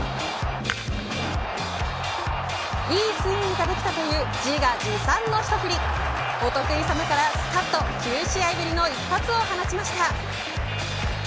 いいスイングができたという自画自賛のひと振りお得意さまからスカッと９試合ぶりの一発を放ちました。